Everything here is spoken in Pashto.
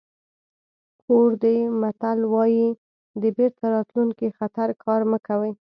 کوردي متل وایي د بېرته راتلونکي خطر کار مه کوئ.